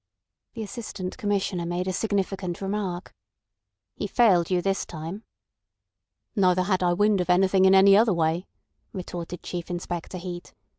The Assistant Commissioner made a significant remark. "He failed you this time." "Neither had I wind of anything in any other way," retorted Chief Inspector Heat.